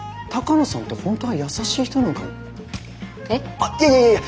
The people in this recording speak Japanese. あっいやいやいや！